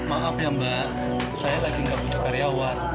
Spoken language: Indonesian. maaf ya mbak saya lagi gak butuh karyawan